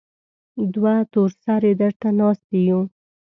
دوه تور سرې درته ناستې يو.